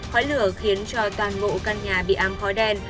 khói lửa khiến cho toàn bộ căn nhà bị ám khói đen